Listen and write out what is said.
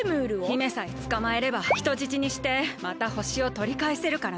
姫さえつかまえれば人質にしてまたほしをとりかえせるからな。